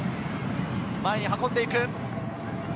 前に運んでいく。